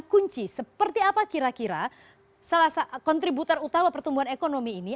kunci seperti apa kira kira salah satu kontributor utama pertumbuhan ekonomi ini